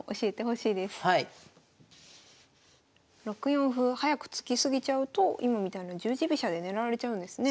６四歩を早く突き過ぎちゃうと今みたいな十字飛車で狙われちゃうんですね。